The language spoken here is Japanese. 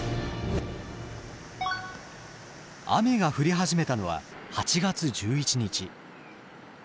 雨が降り始めたのは８月１１日。